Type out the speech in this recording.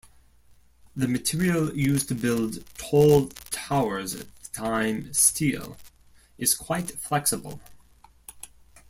The material used to build tall towers at the time, steel, is quite flexible.